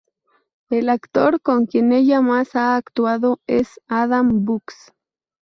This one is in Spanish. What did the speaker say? El actor con quien ella más ha actuado es Adam Bucks.